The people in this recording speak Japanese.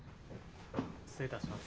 失礼いたします。